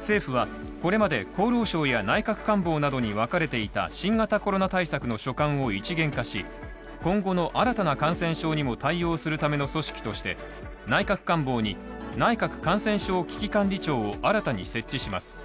政府はこれまで厚労省や内閣官房などにわかれていた新型コロナ対策の所管を一元化し、今後の新たな感染症にも対応するための組織として内閣官房に内閣感染症危機管理庁を新たに設置します。